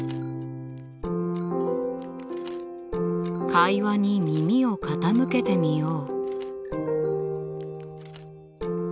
会話に耳を傾けてみよう。